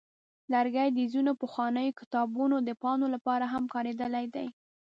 لرګي د ځینو پخوانیو کتابونو د پاڼو لپاره هم کارېدلي دي.